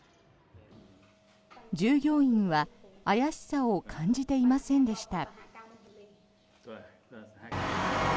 従業員は怪しさを感じていませんでした。